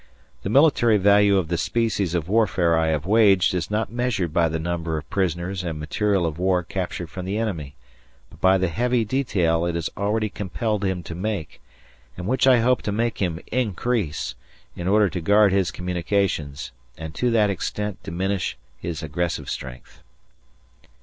The military value of the species of warfare I have waged is not measured by the number of prisoners and material of war captured from the enemy, but by the heavy detail it has already compelled him to make, and which I hope to make him increase, in order to guard his communications and to that extent diminishing his aggressive strength.